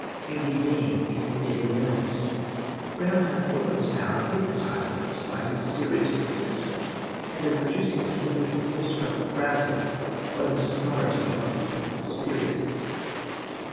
Every being is in deadly earnest. Brown has Godwin's power of hypnotising us by his serious persistence, and of reducing us to a mood of awestruck gravity by the sonority of his pompous periods.